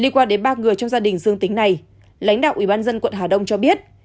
liên quan đến ba người trong gia đình dương tính này lãnh đạo ủy ban dân quận hà đông cho biết